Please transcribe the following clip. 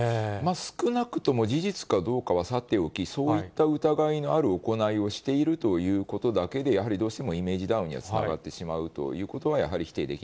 少なくとも事実かどうかはさておき、そういった疑いのある行いをしているというだけで、やはりどうしてもイメージダウンにはつながってしまうということ